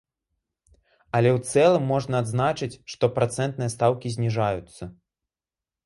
Але ў цэлым можна адзначыць, што працэнтныя стаўкі зніжаюцца.